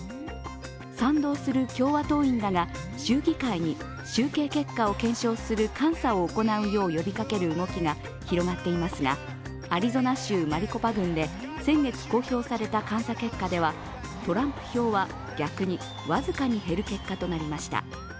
賛同する共和党員らが州議会に集計結果を検証する監査を行うよう呼びかける動きが広まっていますがアリゾナ州マリコパ郡で先月公表された監査結果ではトランプ票は逆に僅かに減る結果となりました。